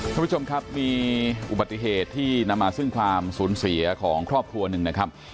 คุณผู้ชมครับมีอุบัติเหตุที่นำมาซึ่งความสูญเสียของครอบครัวหนึ่งนะครับ